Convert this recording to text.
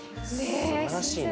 すばらしいね。